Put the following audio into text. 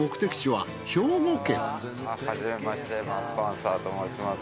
はじめましてマーク・パンサーと申します。